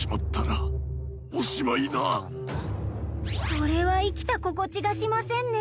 これは生きた心地がしませんね。